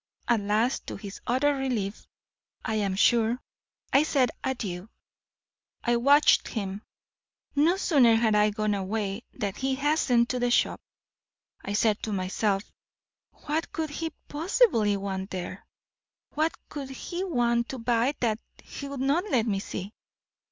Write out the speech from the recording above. At last, to his utter relief, I am sure, I said adieu. "I watched him. No sooner had I gone away, than he hastened to the shop. I said to myself, what could he possibly want there? what could he want to buy that he would not let me see?